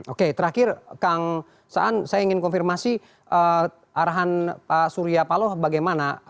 oke terakhir kang saan saya ingin konfirmasi arahan pak surya paloh bagaimana